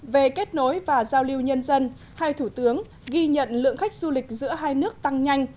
về kết nối và giao lưu nhân dân hai thủ tướng ghi nhận lượng khách du lịch giữa hai nước tăng nhanh